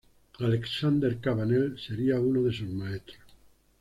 Alexandre Cabanel sería uno de sus maestros.